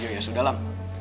ya sudah alam